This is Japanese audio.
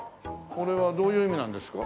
これはどういう意味なんですか？